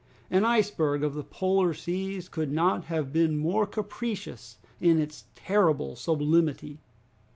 An iceberg of the Polar seas could not have been more capricious in its terrible sublimity!